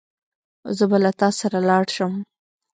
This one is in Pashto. زه به له تا سره لاړ شم.